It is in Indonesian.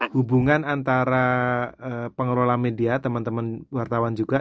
hubungan antara pengelola media teman teman wartawan juga